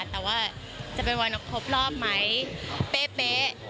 แต่ว่าจะเป็นวันครบรอบไหมเป๊ะ